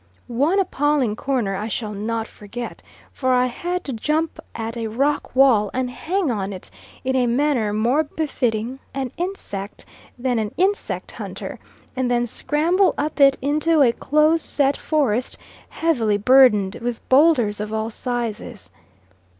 One appalling corner I shall not forget, for I had to jump at a rock wall, and hang on to it in a manner more befitting an insect than an insect hunter, and then scramble up it into a close set forest, heavily burdened with boulders of all sizes.